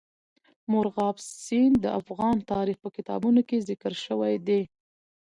مورغاب سیند د افغان تاریخ په کتابونو کې ذکر شوی دی.